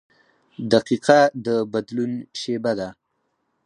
• دقیقه د بدلون شیبه ده.